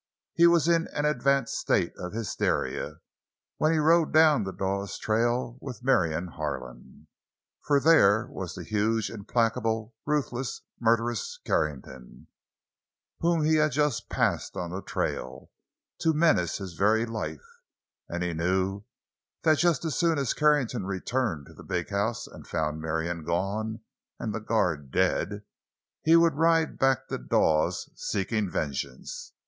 He was in an advanced state of hysteria when he rode down the Dawes trail with Marion Harlan. For there was the huge, implacable, ruthless, and murderous Carrington, whom he had just passed on the trail, to menace his very life—and he knew that just as soon as Carrington returned to the big house and found Marion gone and the guard dead, he would ride back to Dawes, seeking vengeance.